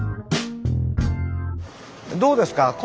どうですか？